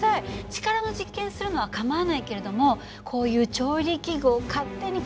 力の実験するのは構わないけれどもこういう調理器具を勝手に改造するのとか